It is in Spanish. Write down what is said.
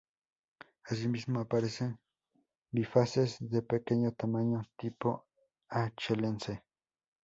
Asimismo, aparecen bifaces de pequeño tamaño tipo achelense.